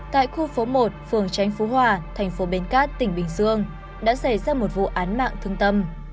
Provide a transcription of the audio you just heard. tại khu phố một phường tránh phú hòa thành phố bến cát tỉnh bình dương đã xảy ra một vụ án mạng thương tâm